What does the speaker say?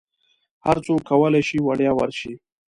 هرڅوک کولی شي وړیا ورشي.